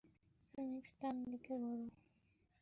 Phoenix, ডানদিকে ঘোরো।